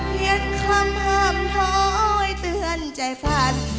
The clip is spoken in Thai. เขียนคำห้ามท้อยเตือนใจฝัน